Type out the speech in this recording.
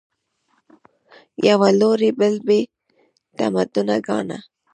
یوه لوري بل بې تمدنه ګاڼه